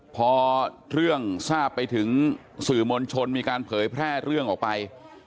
พอเรื่องทราบไปถึงสื่อมวลชนมีการเผยแพร่เรื่องออกไป